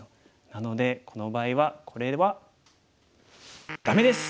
なのでこの場合はこれはダメです！